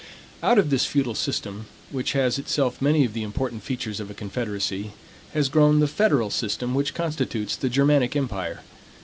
Out of this feudal system, which has itself many of the important features of a confederacy, has grown the federal system which constitutes the Germanic empire.